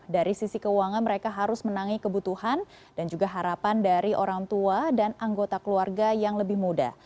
dari sisi keuangan mereka harus menangi kebutuhan dan juga harapan dari orang tua dan anggota keluarga yang lebih muda